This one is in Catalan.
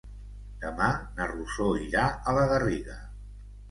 Demà na Rosó irà a la Garriga.